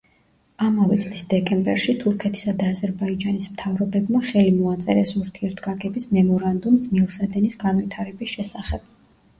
ამავე წლის დეკემბერში თურქეთისა და აზერბაიჯანის მთავრობებმა ხელი მოაწერეს ურთიერთგაგების მემორანდუმს მილსადენის განვითარების შესახებ.